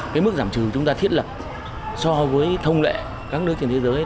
cái mức giảm trừ chúng ta thiết lập so với thông lệ các nước trên thế giới